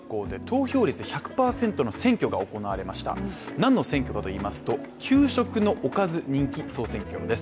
何の選挙かといいますと、給食おかず人気総選挙です。